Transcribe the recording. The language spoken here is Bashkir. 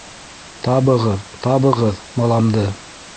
Табығыҙ, табығыҙ баламды!